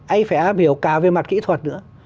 anh phải am hiểu cả về mặt kỹ thuật nữa